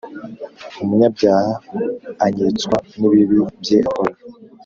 umunyabyaha anyitswa n’ibibi bye akora